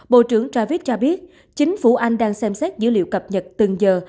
bộ trưởng ravick cho biết chính phủ anh đang xem xét dữ liệu cập nhật từng giờ